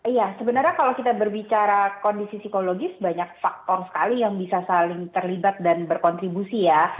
iya sebenarnya kalau kita berbicara kondisi psikologis banyak faktor sekali yang bisa saling terlibat dan berkontribusi ya